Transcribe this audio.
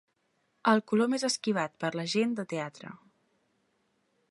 El color més esquivat per la gent de teatre.